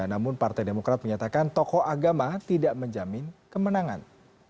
namun partai demokrat menyatakan tokoh agama tidak menjamin kemenangan